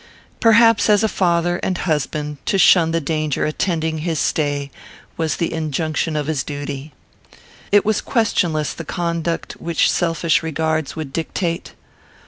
Perhaps as a father and husband, to shun the danger attending his stay was the injunction of his duty. It was questionless the conduct which selfish regards would dictate.